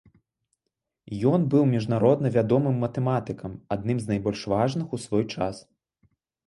Ён быў міжнародна вядомым матэматыкам, адным з найбольш важных у свой час.